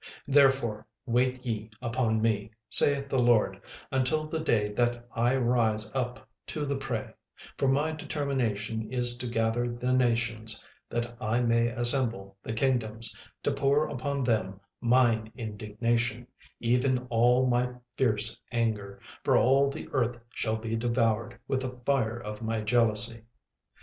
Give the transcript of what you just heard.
36:003:008 Therefore wait ye upon me, saith the LORD, until the day that I rise up to the prey: for my determination is to gather the nations, that I may assemble the kingdoms, to pour upon them mine indignation, even all my fierce anger: for all the earth shall be devoured with the fire of my jealousy.